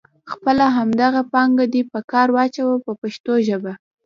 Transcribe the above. خپله همدغه پانګه دې په کار واچوه په پښتو ژبه.